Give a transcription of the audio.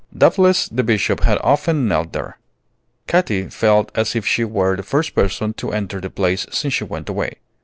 Doubtless the Bishop had often knelt there. Katy felt as if she were the first person to enter the place since he went away.